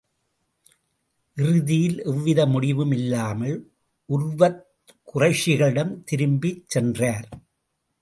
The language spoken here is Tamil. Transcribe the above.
இறுதியில், எவ்வித முடிவும் இல்லாமல், உர்வத் குறைஷிகளிடம் திரும்பிச் சென்றார்.